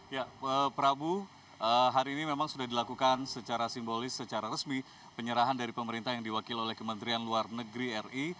ya prabu hari ini memang sudah dilakukan secara simbolis secara resmi penyerahan dari pemerintah yang diwakil oleh kementerian luar negeri ri